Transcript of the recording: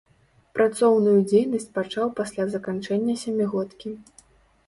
Працоўную дзейнасць пачаў пасля заканчэння сямігодкі.